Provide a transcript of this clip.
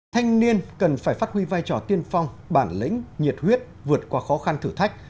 thanh niên cần phải phát huy vai trò tiên phong bản lĩnh nhiệt huyết vượt qua khó khăn thử thách